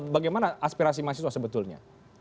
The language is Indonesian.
bagaimana aspirasi mahasiswa sebetulnya